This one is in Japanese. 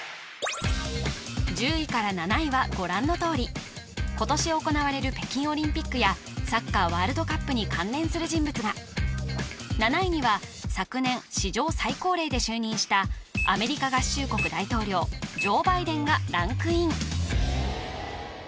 ＢＥＳＴ２０１０位から７位はご覧のとおり今年行われる北京オリンピックやサッカーワールドカップに関連する人物が７位には昨年史上最高齢で就任したアメリカ合衆国大統領ジョー・バイデンがランクイン